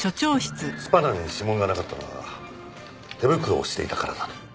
スパナに指紋がなかったのは手袋をしていたからだと。